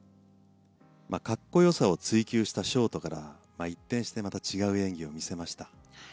格好良さを追求したショートから一転してまた違う演技を見せました。